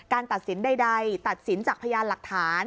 ตัดสินใดตัดสินจากพยานหลักฐาน